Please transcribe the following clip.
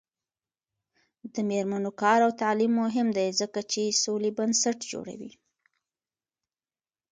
د میرمنو کار او تعلیم مهم دی ځکه چې سولې بنسټ جوړوي.